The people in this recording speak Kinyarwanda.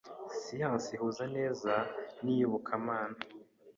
Science ihuza neza n’Iyobokamana.